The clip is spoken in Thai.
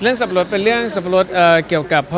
เรื่องสับปะรดเป็นเรื่องสับปะรดเกี่ยวกับ